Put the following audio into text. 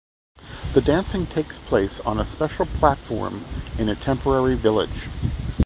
The dancing takes place on a special platform in a temporary village.